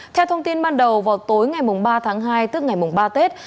theo thông tin ban đầu vào tối ngày ba tháng hai tức ngày ba tết